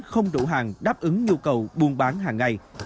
không đủ hàng đáp ứng nhu cầu buôn bán hàng ngày